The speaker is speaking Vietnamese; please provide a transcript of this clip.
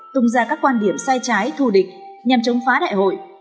tung ra các quan điểm sai trái thù địch nhằm chống phá đại hội